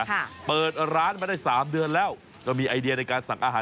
ค่ะเปิดร้านมาได้สามเดือนแล้วก็มีไอเดียในการสั่งอาหาร